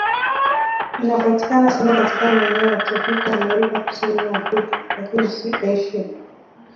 Inapatikana sana katika maeneo ya tropiki Amerika Kusini na Afrika, lakini si Asia.